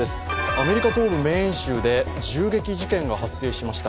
アメリカ東部メーン州で銃撃事件が発生しました。